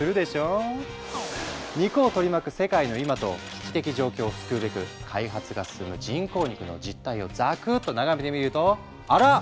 肉を取り巻く世界の今と危機的状況を救うべく開発が進む人工肉の実態をザクッと眺めてみるとあら！